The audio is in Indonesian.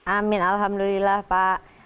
amin alhamdulillah pak